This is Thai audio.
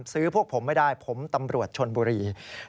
พวกผมไม่ได้ผมตำรวจชนบุรี